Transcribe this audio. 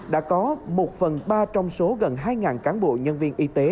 đã có một phần ba trong số gần hai cán bộ nhân viên y tế